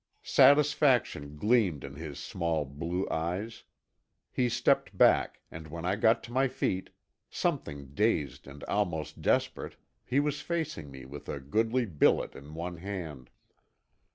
Satisfaction gleamed in his small, blue eyes. He stepped back, and when I got to my feet, something dazed and almost desperate, he was facing me with a goodly billet in one hand.